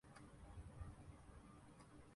تناظرمیں دیکھا گیا اور اس کا جوہرنظروں سے اوجھل ہو